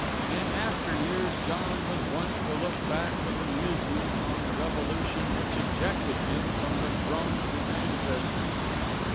In after years John was wont to look back with amusement on the revolution which ejected him from the throne of his ancestors.